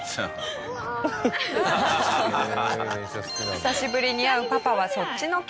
久しぶりに会うパパはそっちのけ。